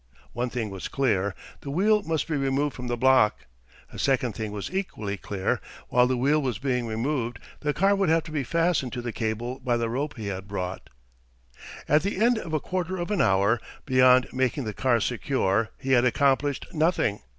One thing was clear—the wheel must be removed from the block. A second thing was equally clear—while the wheel was being removed the car would have to be fastened to the cable by the rope he had brought. At the end of a quarter of an hour, beyond making the car secure, he had accomplished nothing.